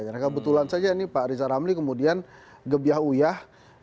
karena kebetulan saja ini pak riza ramli kemudian gebiah uyah